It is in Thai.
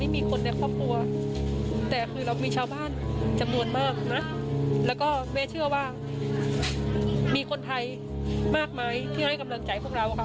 มีคนไทยมากมายที่ให้กำลังใจพวกเราค่ะ